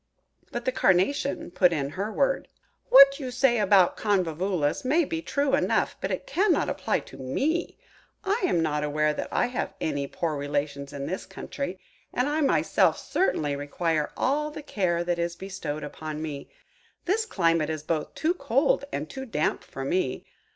But the Carnation put in her word: "What you say about the Convolvulus may be true enough, but it cannot apply to me. I am not aware that I have any poor relations in this country, and I myself certainly require all the care that is bestowed upon me. This climate is both too cold and too damp for me.